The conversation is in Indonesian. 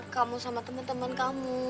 kamu sama temen temen kamu